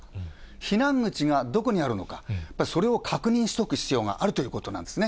避難口がどこにあるのか、それを確認しておく必要があるということなんですね。